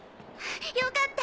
よかった！